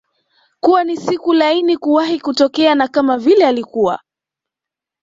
kuwa ni siku laini kuwahi kutokea na kama vile alikuwa